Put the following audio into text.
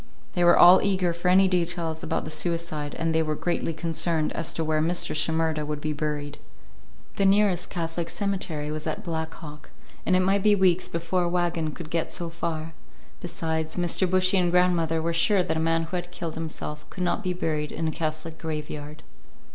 They were all eager for any details about the suicide, and they were greatly concerned as to where Mr. Shimerda would be buried. The nearest Catholic cemetery was at Black Hawk, and it might be weeks before a wagon could get so far. Besides, Mr. Bushy and grandmother were sure that a man who had killed himself could not be buried in a Catholic graveyard.